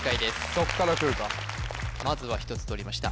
そこからくるかまずは１つとりました